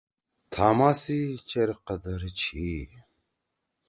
تھاما سی چیر قدر چھی۔